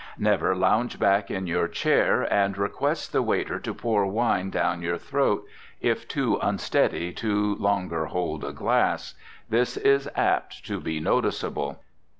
Never lounge back in your chair, and request the waiter to pour wine down your throat, if too unsteady to longer hold a glass. This is apt to be noticeable.